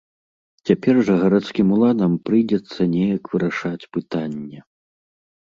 Цяпер жа гарадскім уладам прыйдзецца неяк вырашаць пытанне.